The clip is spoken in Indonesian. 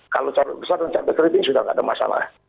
kalau cawe besar dan cabai keriting sudah tidak ada masalah